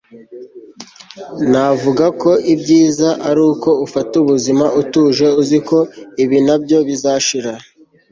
navuga ko ibyiza ari uko ufata ubuzima utuje uzi ko 'ibi nabyo bizashira